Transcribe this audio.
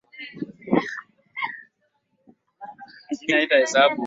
kufuatia mafuriko na maporomoko ya udongo